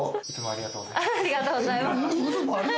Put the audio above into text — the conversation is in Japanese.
ありがとうございます。